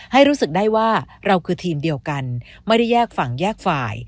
ให้รู้สึกได้ว่าเราคือทีมเดียวกันไม่ได้แยกฝั่งแยกฝ่าย